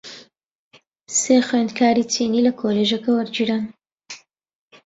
سێ خوێندکاری چینی لە کۆلیژەکە وەرگیراون.